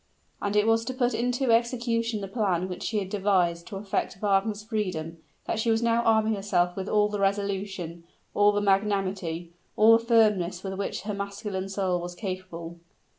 And it was to put into execution the plan which she had devised to effect Wagner's freedom, that she was now arming herself with all the resolution, all the magnanimity, all the firmness with which her masculine soul was capable.